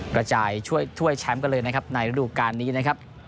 กระจายถ้วยแชมป์กันเลยนะครับในระดูการนี้นะครับ